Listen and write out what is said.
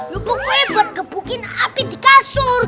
lupa gue buat gebukin api di kasur